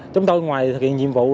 chúng tôi ngoài thực hiện nhiệm vụ